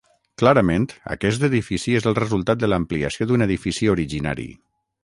Clarament aquest edifici és el resultat de l'ampliació d'un edifici originari.